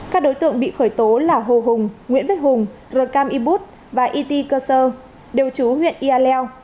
các đối tượng bị khởi tố là hồ hùng nguyễn vết hùng rờ cam y bút và y t cơ sơ đều trú huyện yaleo